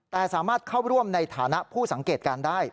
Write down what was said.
แต่สามารถเข้าร่วมในฐานะผู้สังเกตการณ์ได้